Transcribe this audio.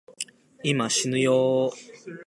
今、しぬよぉ